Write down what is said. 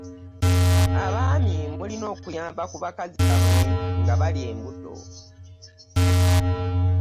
Abaami mulina okuyamba ku bakazi bamwe nga bali mbuto.